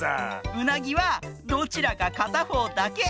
うなぎはどちらかかたほうだけ！